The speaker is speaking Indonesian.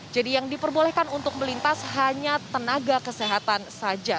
jadi yang diperbolehkan untuk melintas hanya tenaga kesehatan saja